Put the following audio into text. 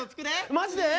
マジで？